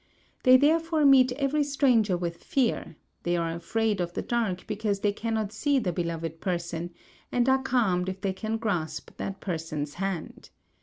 They therefore meet every stranger with fear, they are afraid of the dark because they cannot see the beloved person, and are calmed if they can grasp that person's hand.